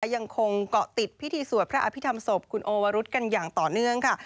ยังคงเกาะติดพิธีสวดพระอภิษฐรรมศพคุณโอวรุษกันอย่างต่อเนื่องค่ะ